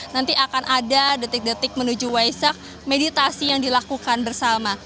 nanti akan ada detik detik menuju waisak meditasi yang dilakukan bersama